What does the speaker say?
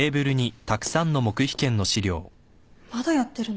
まだやってるの？